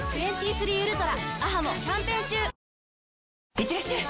いってらっしゃい！